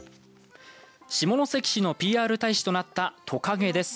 下関市のＰＲ大使となったとかげです。